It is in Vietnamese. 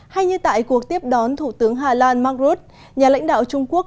hay như tại cuộc tiếp đón thủ tướng hà lan mark rutte nhà lãnh đạo trung quốc